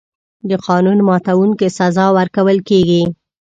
د قانون ماتونکي سزا ورکول کېږي.